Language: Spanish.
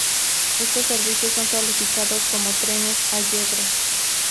Estos servicios son calificados como trenes 'Allegro'.